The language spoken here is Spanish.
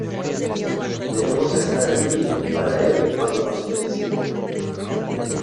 Debemos estar aquí para él cuando nos necesite.